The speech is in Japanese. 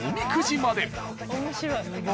面白い。